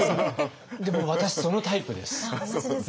でも私そのタイプです。